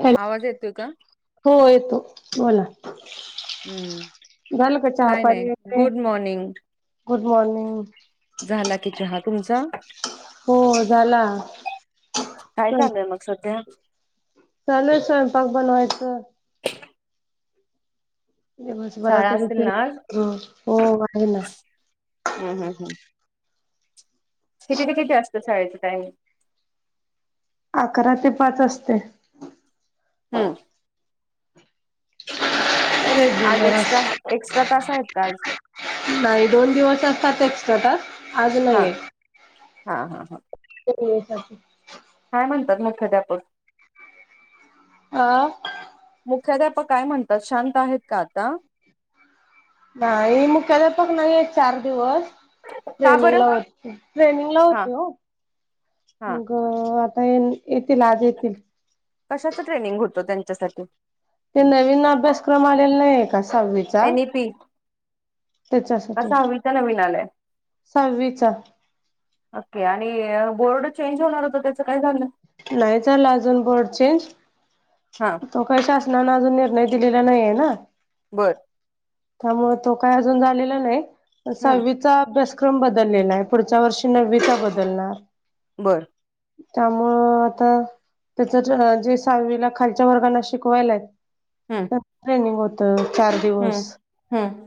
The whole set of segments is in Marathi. हॅलो आवाज येतोय का हो येतो बोला. हम्म घल का चहा काय नाही पे. Good morning. Good morning. झाला ति च ह तुमचा. हो झाला. काय चालूय मग सध्या. चा नाही सयं पक बनवायचं. ह [inaudible] दिवस शाळा मराठ असेल रते ना आज? हो आहे ना. हम हम हम किती प किती असतं शाळेचचा टाइम. अकरा ते पाच असते. हम आज रेग्युलर एक्स्ट्रा एक्स्ट्रा तास आहेत का आज. नाही दोन दिवस असतात एक्स्ट्रा तास आज हा नाहीय. हा हा हा. [unintelligible] काय म्हणतात मुख्याध्यापक. आ. मुख्याध्यापक काय म्हणतात शांत आहेत का आता. नाही मुख्याद्यापक नाहीय चार दिवस. का ट्रेनिंग बरं? ला ट्रेनिंग ला हा होते ओ. हा. अ आता येतील आज येतील. कशाच ट्रेनिंग होतो त्यांच्यासाठी. ते नवीन अभ्यासक्रम आलेला नाहीये का? सहावी एन व्ही पी, का? त्याच्यासाठी सहावीचा नवीन आलाय. सहावीचा ओके, आणि बोर्ड चेंज होणार होत, त्या काय झाल ना नाही चला अजून बड चेंज हा तो काही शासनाने अजून निर्णय दिलेला नाहीये ना. बरं. त्यामुळे, तो काय अजून झालेला नाही, पण हम्म साहवी चा अभ्यासक्रम बदललेला आहे, पुढच्या वर्षी नव्वीचा बदलणार. बरं. त्यामुळं आता [unintelligible] जे सहावीला खालच्या वर्गाना शिकवायलाय, हम्म. त्याच ट्रेनिंग होत, चार हम्म दिवस. हम्म,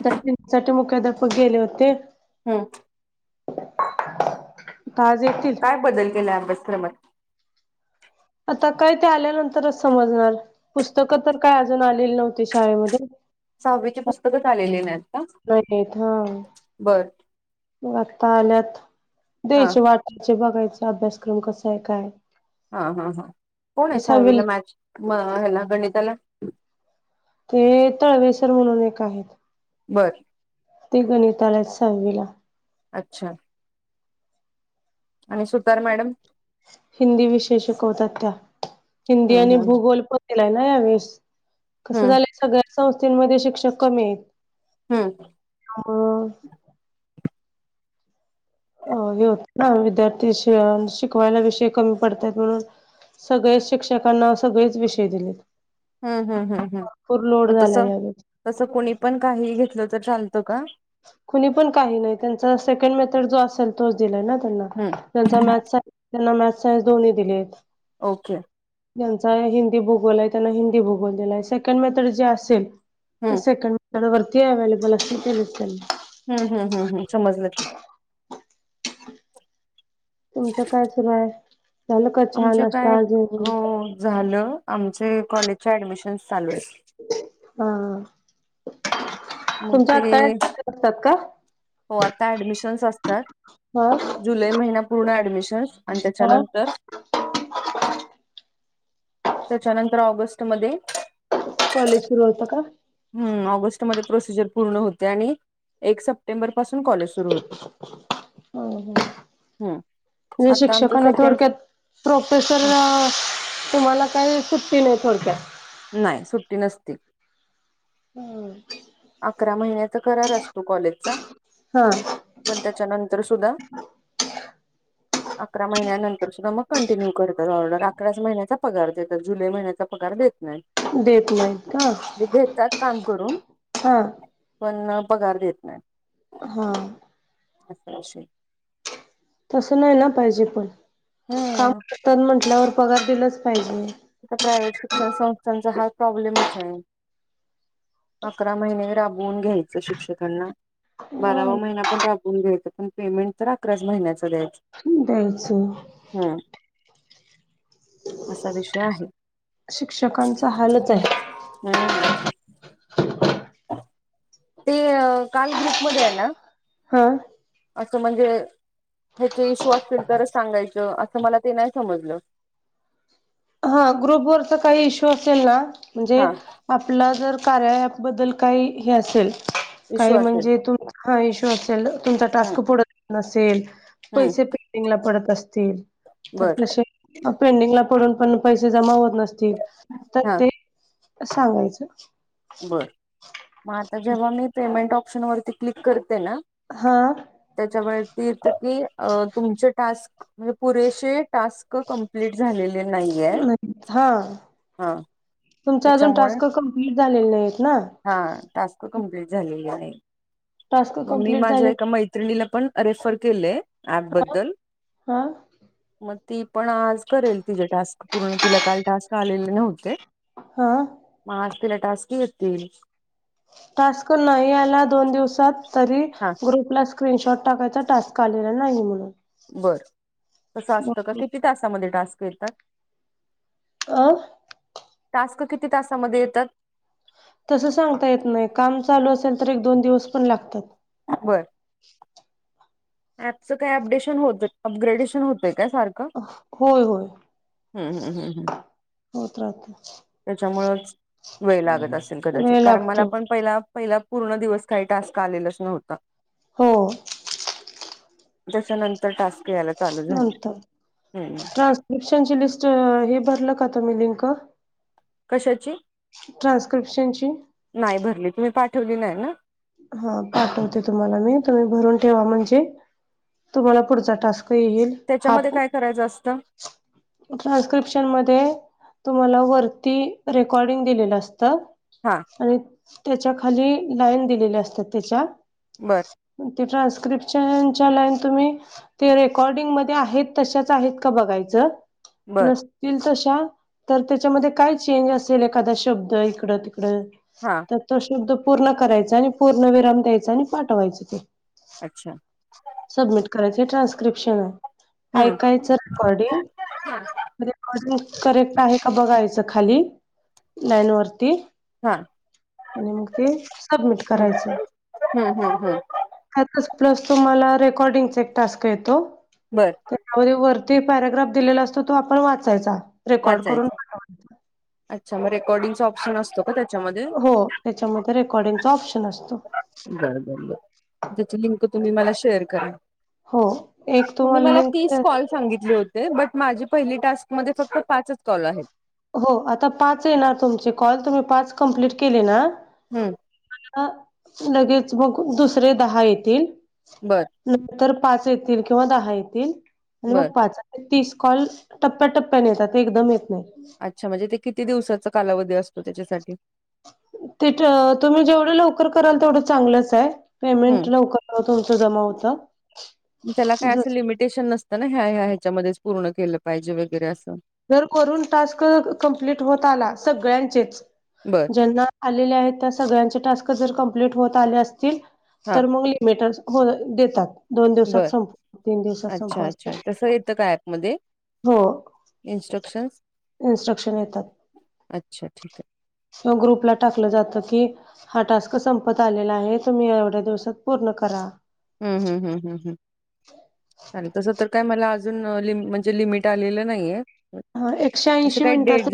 [unintelligible] मुख्याध्यापक गेले होते. हम्म. आज येतील. काय बदल केलाय, अभ्यासक्रमात. आता काय ते आल्यानंतरच समजणार, पुस्तकं तर काय अजून आलेली नव्हती शाळेमध्ये. सहावीचे पुस्तकच आलेले नाहीत. नहीत हा. बरं. मग आता आल्यात, हा द्यायचे वाटायचे, बघायच अभ्यासक्रम कसाय, काय? हा हा ह, ते कोणे सहावी सहावीला मॅच, हे ला गणिताला. ते तळवेसर म्हणून एक आहे. बरं. ते गणितला येत सहावीला. अच्छा. आणि सुतार मॅडम. हिंदी विषय शिकवतात त्या, हिंदी हम्म आणि हम्म भूगोल पण केलाय ना यावेेळेस, कसं हम्म झालं सगळ्याच संस्थेनमध्ये शिक्षक कमीयेत. हम्म. [unintelligible] अ हे होत ना, विद्यार्थी श शिकवायला विषय कमी पडतात म्हणून, सगळेच शिक्षकांना, सगळेच विषय दिलेत. हम्म हम्म हम्म हम्म, भरपूर लोड म तस, झाला यावेळी तस कुणी पण, काहीही घेतलं तर चालतं का? कुणी पण काही नाही, त्यांचा सेकंड मेथड जो असेल, तोच दिलाय ना त्यांना. हम्म ज्याचा मॅथ आहे, त्यांना मॅथ सायनस दोन्ही दिलेत. ओके. ज्याचा हिंदी भूगोलय, त्यांना हिंदी भूगोल दिलाय, सेकंड मेथड जी असेल त हम्म सेकंड मेथड वरती अव्हेलेबल असते, दिलेत [unintelligible] त्याना. हम्म! हम्म, हम्म हम्म समजल की. तुमचं काय सुरू आहे? झालं का चहा, आमच्या काय नाश्ता, हो जेवण. झालं, आमचे कॉलेजच्या ऍडमिशन्स चालूयेत. हा. मग तुमच्या ते, आत्या हे, असतात का होआता ऍडमिशनस अस हा जुलैई महिना पूर्ण ऍडमिशन, आणि हा त्याच्यानंतर त्याच्यानंतर, ऑगस्टमध्ये कॉलेज सुरू होत का? हम्म ऑगस्टमध्ये प्रोसिजर पूर्ण होते आणि एक सप्टेंबर पासून कॉलेज सुरू होत. ह ह हम्म आता आमच सेकेड प्रोफेशर तुम्हाला काही सुट्टी नाही थोडक्यात. नाही सुट्टी नसती. हम्म. अकरा महिन्याचा करार असतो, कॉलेजचा. हा पण, त्याच्यानंतर सुद्धा अकरा महिन्यानंतर सुद्धा मग कंटिन्यू करतात ऑर्डर, अकराच महिन्याचा पगार देतात, जुलै महिन्याचा पगार देत नाहीत. देत नाहीत काम करून का? ह. पण पगार देत नाही. हा. [inaudible] तसं नाही ना पाहिजे पण काम हम्म. करतात म्हटल्यावर पगार दिलाच पाहिजे. आता प्रायव्हेट शिक्षण संस्थांचा हा प्रॉब्लेमच आहे. अकरा महिने राबवून घ्यायचं शिक्षकांना बारावा महिना पण राबून घ्यायचा पण पेमेंट तर अकराच महिन्याच द्यायचं. द्यायचं. हम्म असा विषय आहे. शिक्षकांचा हालच आहे. हम्म. ते काल ग्रुप मध्ये आहे ना हा. असं म्हणजे ह्याचे इश्यू असतील तरच सांगायचं असं मला ते नाही समजलं. हा ग्रुप वरच काही इश्यू असेल ना म्हणजे हा आपला जर कार्या अँप बद्दल काही हे असेल इश्यू काही असेल म्हणजे तू हा इश्यू असेल तुमचा हम्म टास्क पुढत नसेल, हम्म पैसे पेंडिंगला पडत असतील तर बर तसे पेंडिंगला पडून पण पैसे जमा होत नसतील तर हा ते सांगायचं. बर मग आता जेव्हा मी पेमेंट ऑप्शन वरती क्लिक करते ना हा. त्याच्या वरती की अ तुमचे टास्क म्हणजे पुरेशे टास्क कमप्लीट झालेले नाही ये नाही हा हा. तुमचा अजून त्याच्यामुळे टास्क कम्प्लीट झालेले नाहीत ना. हा टास्क कंप्लिट झालीली नाही टास्क मी कंप्लीट माझ्या झाले एका मैत्रिला पण रेफर केले ऍपबद्दल हा मग ती पण आज करेल तिचेे टास्क पूर्ण तिला काल टास्क आलेले नव्हते हा. मगं आज तिला टास्क येतील. टास्क नाही आला दोन दिवसात तरी हा ग्रुपला स्क्रीनशॉट टाकायचा टास्क आलेला नाही म्हणून. बर तसं असतं का किती तासामध्ये टास्क येतात. अ. टास्क किती तासामध्ये येतात. तसं सांगता येत नाही काम चालू असेल तर एक दोन दिवस पण लागतात. बरं. ऍपचं काय अपडेशन होत अपग्रेडेशन होतय काय सारखं होय होय होत राहत त्याच्यामुळेंच वेळ लागत असेल कदाचित वेळ कारण मला लागतो पण पहिला पहिला पूर्ण दिवस काही टास्क आलेलाच नव्हता हो. त्याच्यानंतर टास्क यायला चालू झाले हं. ट्रान्स्क्रिपशन ची लिस्ट हे भरलं का तुम्ही लिंक? कशाची? ट्रान्स्क्रिप्शनची नाही भरली तुम्ही पाठवली नाही ना. हा पाठवते तुम्हाला मी तुम्ही भरून ठेवा म्हणजे तुम्हाला पुढचा टास्क येईल. हा त्याच्यामध्ये काय करायचं असतं. ट्रान्स्क्रिप्शन मध्ये तुम्हाला वरती रेकॉर्डिंग दिलेलं असतं हा आणि त्याच्या खाली लाईन दिलेल्या असतात त्याच्या बरं. तीच्या न्स्क्रिप्शनच्या लाईन तुम्ही ते रेकॉर्डिंगमध्ये आहेत तशाच आहेत का बघायचं बर नसतील तशा तर त्याच्यामध्ये काय चेंज असेल एखादा शब्द इकडं तिकडं हा तर तो शब्द पूर्ण करायचा आणि पूर्णविराम द्यायचा आणि पाठवायच ते अच्छा. सबमिट करायच ट्रान्स्क्रिप्शन आहे. हम्म ऐकायचं रेकॉर्डिंग म्हणजे आधी करेक्ट आहे का बघायचं खाली लाईन वरती हा आणि मग ते सबमिट हम्म करायचं हम्म हम्म हम्म अटकच प्लस तुम्हाला रेकॉर्डिंगचा एक टास्क येतो बरं. त्या आय वरती एक पॅराग्राफ दिलेला असतो तो आपण वाचायचा रेकॉर्ड करून वाचायचा. पाठवायचा. अच्छा मग रेकॉर्डिंगचा ऑप्शन असतो का त्याच्यामध्ये हो, त्याच्यामध्ये रेकॉर्डिंग चा ऑप्शन असतो. बर बर बर त्याची लिंक तुम्ही मला शेअर करा हो एक तुम्ही तुम्हाला मला लिंक तीस द्या कॉल सांगितले हो ते बट माझी पहिली टास्क मध्ये फक्त पाचच कॉल आहेत हो, आता पाच आहे ना तुमचे कॉल तुम्ही पाच कम्प्लीट केले ना हम्म. म लगेच [unintelligible] दुसरे दहा येतील बरं. नंतर पाच येतील किंवा दहा येतील आणि बर मग पाच तीस कॉल टप्प्याटप्प्याने येतात एकदम येत नाही अच्छा म्हणजे ते किती दिवसाचा कालावधी असतो त्याच्यासाठी? ते काय तुम्ही जेवढं लवकर कराल तेवढं चांगलंच आहे हम्म पेमेंट लवकर तुमच जमा होत, जे टेन्शन नसत ना ह्या ह्या ह्याच्यामध्ये पूर्ण केलं पाहिजे वगैरे असं जर करून टास्क कंप्लीट होत आला सगळ्यांचेच बरं. पंधरा आलेल्या आहेत त्या सगळ्यांचे टास्क जर कंप्लीट होत आले असतील हा तर म मी [unintelligible] हो देतात दोन दिवसात संप तीन दिवसात संपवा अस असं येतं का ऍपमध्ये हो इन्स्ट्रक्शन्स इ्स्ट्रक्शन येतात अच्छा ठीक आहे किंवा ग्रुपला टाकलं जातं की हा टास्क संपत आलेला आहे तुम्ही एवढ्या दिवसात पूर्ण करा हम् हम् हम्म हम् हम चालेल तस तर काय मला अजून ल म्हणजे लिमिट आलेलं नाहीय ह एकशे ऐंशी मिनटात.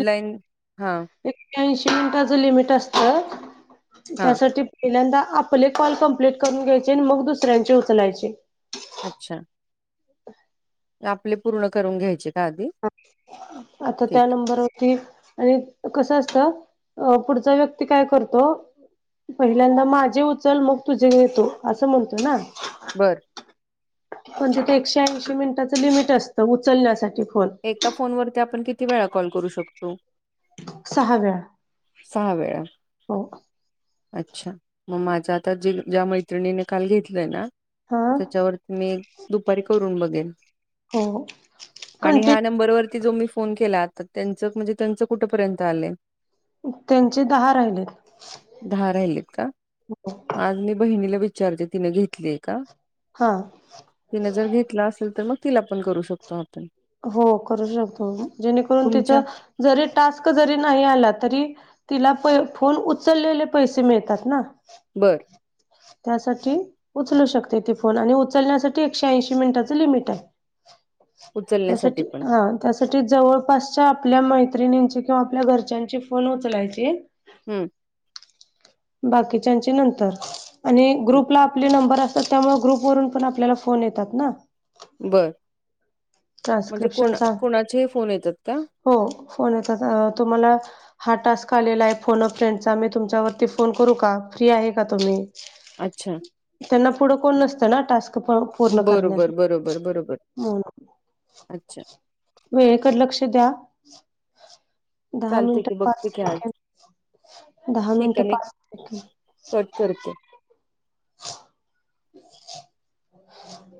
हां, एक्याऐंशी मिनिटाचं लिमिट असत हां. त्यासाठी. पहिल्यांदा आपले कॉल कमप्लीट करून घ्यायचे आणि मग दुसऱ्यांचे उचलायचे. अच्छा. आपले पूर्ण करून घ्यायचे का आधी? आता ठीक त्या आहे. नंबरवरती आणि कसं असतं पुढचा व्यक्ती काय करतो पहिल्यांदा माझे उचल मग तुझे येतो असं म्हणतो ना बरं म्हणजे ते एकशे ऐंशी मिनिटाचं लिमिट असतं उचलण्यासाठी फोन एका फोन वरती आपण किती वेळा कॉल करू शकतो सहा वेळा सहा वेळा- हो अच्छा मग माझ आता जे ज्या मैत्रिणीने काल घेतलंय ना हा त्याच्यावरती मी दुपारी करून बघेल हो आणि ह्या कंटिन्यू नंबरवररती जो मी फोन केला त्यांच म्हणजे त्यांचं कुठपर्यंत आलंय त्यांचे दहा राहिलेत दहा राहिलेत का आज मी बहिणीला विचारते तिनं घेतलीय का हा तिने जर घेतला असेल तर मग तिला पण करू शकतो आपण हो करू शकतो जेणेकरून तिच तुमच्या जरी टास्क जरी नाही आला तरी तिला प फोन उचललेले पैसे मिळतात ना बरं त्यासाठी उचलू शकते ते फोन आणि उचलण्यासाठी एकशे ऐंशी मिनिटाचं लिमिट आहे त्यासाठी उचलण्यासाठी पण हा त्यासाठी जवळपासच्या आपल्या मैत्रिणींची किंवा आपल्या घरच्यांची फोन उचलायची हम्म बाकीच्या नंतर आणि ग्रुपला आपले नंबर अस तर त्यामुळे ग्रुपवरून पण आपल्याला फोन येतात ना बर म्हणजे कोणा ट्रान्स्क्रिप्शनचा कोणाचे फोन येतात का हो फोन येत तुम्हाला हा टास्क आलेला आहे फोन फ्रेंडचा मी तुमच्यावरती फोन करू का फ्री आहे का तुम्ही अच्छा त्यांना पुढं कोण नसतं ना टास्क पूर्ण बरोबर करण्यासाठी बरोबर बरोबर अच्छा वेळकड लक्ष द्या दहा चालते की मिनटं पाच बघते की आज सेकंड दहा ठीक मिनटं आहे मी पाच सकंड कट करते [unintelligible]